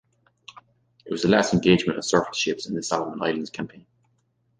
It was the last engagement of surface ships in the Solomon Islands campaign.